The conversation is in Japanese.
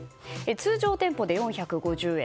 通常店舗で４５０円。